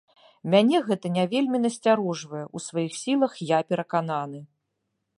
Мяне гэта не вельмі насцярожвае, у сваіх сілах я перакананы.